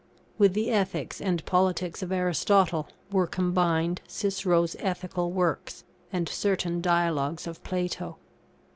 With the Ethics and Politics of Aristotle, were combined Cicero's Ethical works and certain Dialogues of Plato.